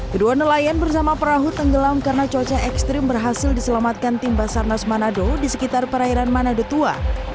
kedua nelayan bersama perahu tenggelam karena cuaca ekstrim berhasil diselamatkan tim basarnas manado di sekitar perairan manado tua